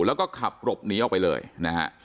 แล้วก็ขับหลบหนีออกไปเลยนะฮะ